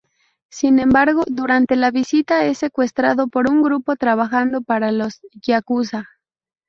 Sin embargo, durante la visita es secuestrado por un grupo trabajando para los yakuza.